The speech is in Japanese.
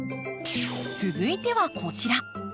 続いてはこちら。